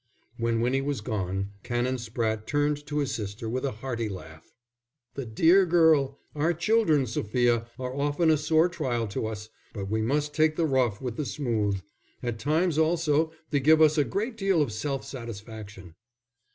When Winnie was gone, Canon Spratte turned to his sister with a hearty laugh. "The dear girl! Our children, Sophia, are often a sore trial to us, but we must take the rough with the smooth; at times also they give us a great deal of self satisfaction."